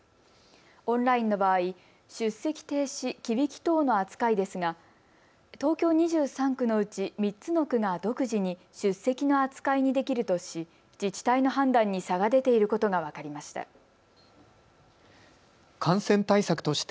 オンラインの場合、出席停止・忌引き等の扱いですが東京２３区のうち３つの区が独自に出席の扱いにできるとし自治体の判断に差が出ていることが分かりました。